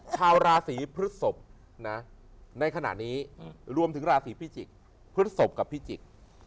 ชาวราศีพฤศพนะในขณะนี้รวมถึงราศีพิจิกษ์พฤศพกับพิจิก